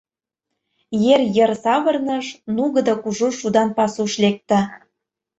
Ер йыр савырныш, нугыдо кужу шудан пасуш лекте.